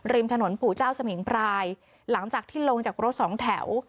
ริมถนนปู่เจ้าสมิงพรายหลังจากที่ลงจากรถสองแถว